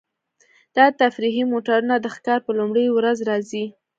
دا تفریحي موټرونه د ښکار په لومړۍ ورځ راځي